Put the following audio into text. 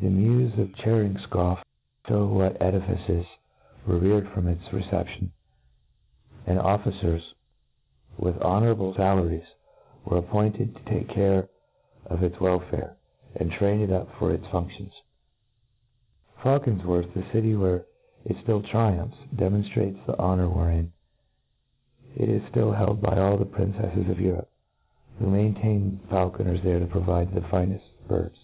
The mews at Charingcrofs fliew what edifices were reare4 for its reception ; and pfficors, with honourable falaries, were appointed to take .care of its wel fare, and train it up for its fundtions. Faulconf wortlj, the city where it ftill triumphs, demon ftrates the honour wherein it is ftill held by all the princes of Europe, who maintain faulcon crs there to provide the fineft birds.